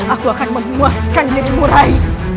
aku akan mengemaskan dirimu rai